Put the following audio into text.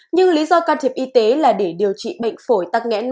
nhưng lý do can thiệp y tế là để điều trị bệnh phổi tắc nghẽn mạng tính